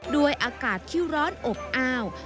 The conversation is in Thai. ด้วยอากาศที่ร้อนอบอ้าว